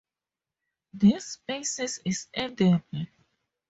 This species is edible.